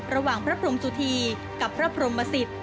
ระหว่างพระพรมสุธีกับพระพรหมสิต